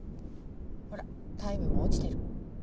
ほらタイムも落ちてる。